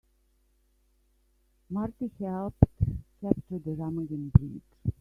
Marty helped capture the Remagen Bridge.